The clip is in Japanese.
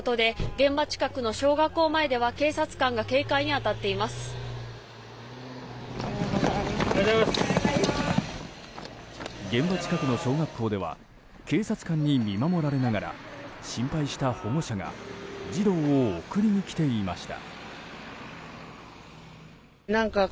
現場近くの小学校では警察官に見守られながら心配した保護者が児童を送りに来ていました。